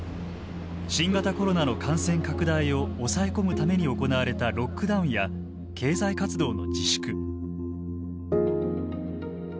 新型コロナの感染拡大を抑え込むために行われたロックダウンや経済活動の自粛。